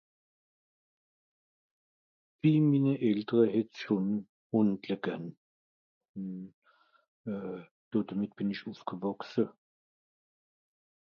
Chez mes parents il y avait déjà des chiens ; j'ai grandi avec Ça